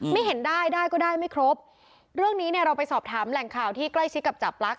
ไม่เห็นได้ได้ก็ได้ไม่ครบเรื่องนี้เนี่ยเราไปสอบถามแหล่งข่าวที่ใกล้ชิดกับจับลักษ